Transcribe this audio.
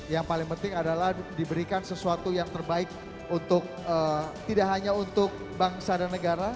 yang paling penting adalah diberikan sesuatu yang terbaik untuk tidak hanya untuk bangsa dan negara